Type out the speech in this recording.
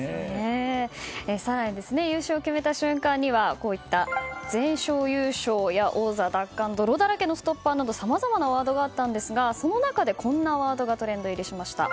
更に優勝を決めた瞬間には「全勝優勝」や「王座奪還」「泥だらけのストッパー」などさまざまなワードがあったんですがその中でこんなワードがトレンド入りしました。